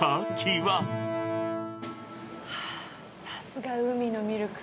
はぁ、さすが海のミルク。